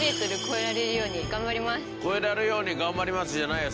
「超えられるように頑張ります」じゃないよ